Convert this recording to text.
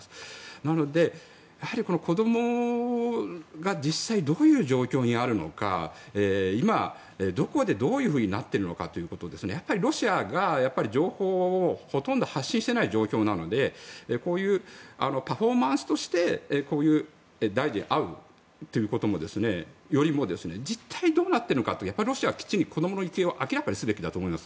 なので、やはり子どもが実際、どういう状況にあるのか今、どこでどういうふうになっているかということをロシアが情報をほとんど発信していない状況なのでこういうパフォーマンスとしてこういう大臣に会うということよりも実態はどうなっているのかロシアはきちんと子どもの行方を明らかにすべきだと思います。